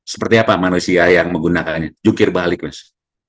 seperti apa manusia yang menggunakannya jukir balik mas